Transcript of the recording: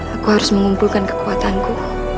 aku harus mengumpulkan kekuatanku